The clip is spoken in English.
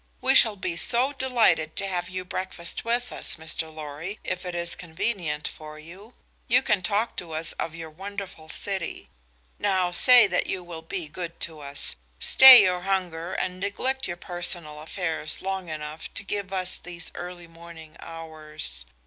We shall be so delighted to have you breakfast with us, Mr. Lorry, if it is convenient for you. You can talk to us of your wonderful city. Now, say that you will be good to us; stay your hunger and neglect your personal affairs long enough to give us these early morning hours.